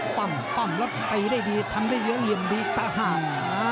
ปั้มปั้มแล้วไปได้ดีทำได้ยิ้มยิ้มดีตะห่าง